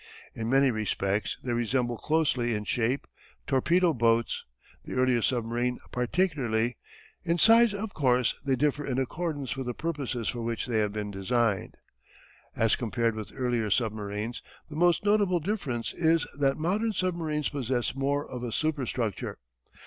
In many respects they resemble closely in shape, torpedo boats the earlier submarines particularly. In size, of course, they differ in accordance with the purposes for which they have been designed. As compared with earlier submarines the most notable difference is that modern submarines possess more of a superstructure.